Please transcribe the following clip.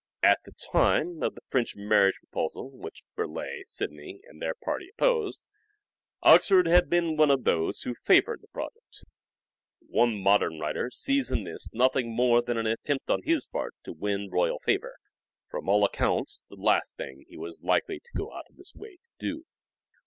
At the time of the French marriage proposal, which Burleigh, Sidney and their party opposed, Oxford had been one of those who favoured the project. One modern writer sees in this nothing more than an attempt on his part to win royal favour — from all accounts the last thing he was likely to go out of his way to do.